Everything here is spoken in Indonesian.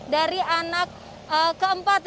dari anak keempat